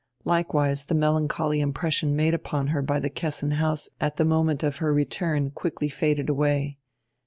Likewise the melancholy impression made upon her by the Kessin house at the moment of her return quickly faded away.